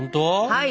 はい。